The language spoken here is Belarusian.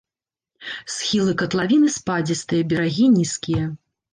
Схілы катлавіны спадзістыя, берагі нізкія.